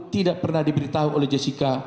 tidak pernah diberitahu oleh jessica